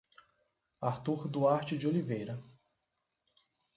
Artur Duarte de Oliveira